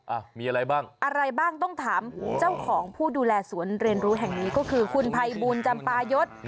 อ่ะมีอะไรบ้างอะไรบ้างต้องถามเจ้าของผู้ดูแลสวนเรียนรู้แห่งนี้ก็คือคุณภัยบูลจำปายศ